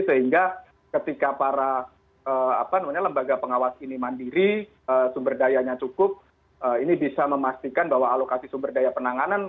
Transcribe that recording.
sehingga ketika para lembaga pengawas ini mandiri sumber dayanya cukup ini bisa memastikan bahwa alokasi sumber daya penanganan